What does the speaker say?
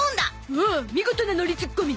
おお見事なノリツッコミ！